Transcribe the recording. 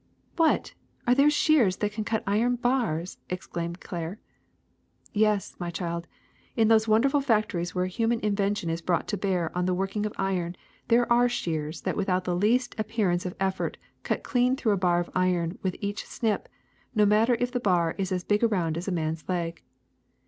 '' Wliat! Are there shears that can cut iron barsf exclaimed Claire. ^* Yes, my child ; in those wonderful factories where human invention is brought to bear on the working of iron there are shears that without the least ap pearance of effort cut clean through a bar of iron with each snip, no matter if the bar be as big around as a man's leg.